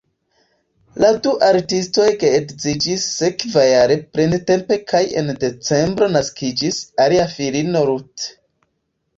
La du artistoj geedziĝis sekvajare printempe kaj en decembro naskiĝis ilia filino Ruth.